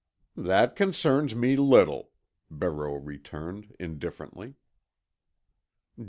"That concerns me little," Barreau returned indifferently.